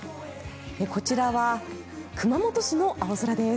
こちらは熊本市の青空です。